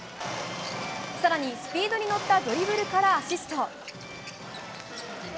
更に、スピードに乗ったドリブルからアシスト。